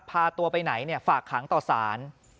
พาตัวไปไหนฝากขังต่อสาร